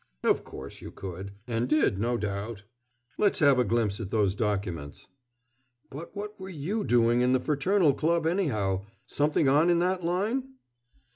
"Of course you could and did, no doubt. Let's have a glimpse at those documents." "But what were you doing in the Fraternal Club, anyhow? Something on in that line?"